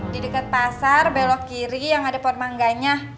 di deket pasar belok kiri yang ada pond mangganyah